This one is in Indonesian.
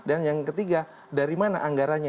dan yang ketiga dari mana anggaranya